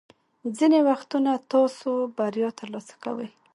ځینې وختونه تاسو بریا ترلاسه کوئ.